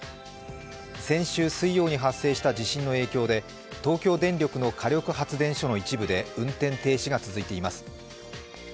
先週水曜に発生した地震の影響で東京電力の火力発電所の一部で運転停止が続いています。